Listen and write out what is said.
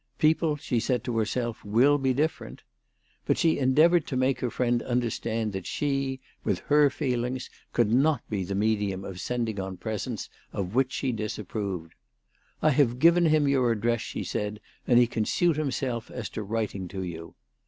People, she said to herself, will be different. But she endeavoured to make her friend understand that she, with her feelings, could not be the medium of sending on presents of which she disapproved. "I have given him your address," she said, " and he can suit himself as to writing to you."